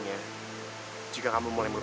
dan juga di tempat yang baik